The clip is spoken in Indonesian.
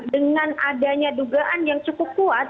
dengan adanya dugaan yang cukup kuat